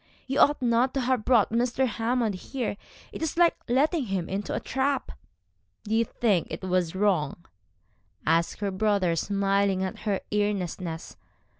You ought not to have brought Mr. Hammond here. It is like letting him into a trap.' 'Do you think it was wrong?' asked her brother, smiling at her earnestness.